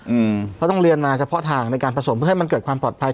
เพราะต้องเรียนมาเฉพาะทางในการผสมเพื่อให้มันเกิดความปลอดภัย